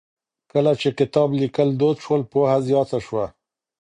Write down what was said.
کله چې کتاب ليکل دود شول، پوهه زياته شوه.